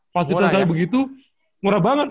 pas street tagnya begitu murah banget